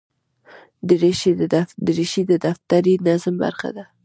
دریشي د دفتري نظم برخه ده.